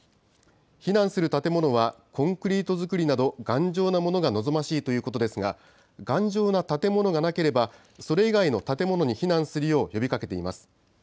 避難する建物は、コンクリート造りなど、頑丈なものが望ましいということですが、頑丈な建物がなければ、それ以外の建物に避難するよう呼びかけています。